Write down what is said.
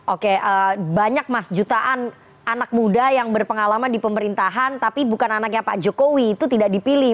oke banyak mas jutaan anak muda yang berpengalaman di pemerintahan tapi bukan anaknya pak jokowi itu tidak dipilih